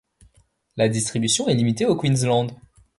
La distribution est limitée au Queensland.